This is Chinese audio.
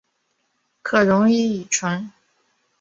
可溶于乙醇。